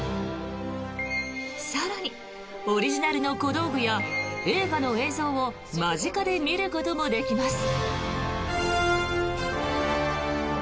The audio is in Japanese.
更に、オリジナルの小道具や映画の映像を間近で見ることもできます！